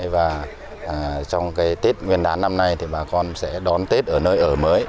và trong cái tết nguyên đán năm nay thì bà con sẽ đón tết ở nơi ở mới